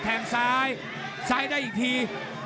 แทงซ้ายซ้ายได้อีกที